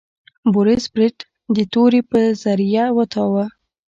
بوریس برید د تورې په ذریعه وتاوه.